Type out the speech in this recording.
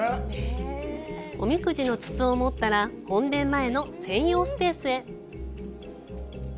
おみくじの筒を持ったら、本殿前の専用スペースへ。